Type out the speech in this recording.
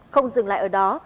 không dừng lại ở đó